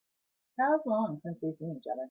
How long since we've seen each other?